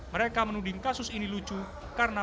mereka menuding kasus ini lucu karena